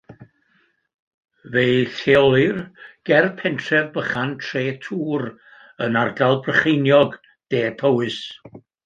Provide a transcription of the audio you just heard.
Fe'i lleolir ger pentref bychan Tretŵr yn ardal Brycheiniog, de Powys.